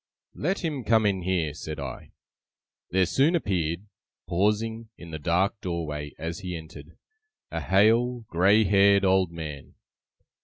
'Let him come in here!' said I. There soon appeared, pausing in the dark doorway as he entered, a hale, grey haired old man.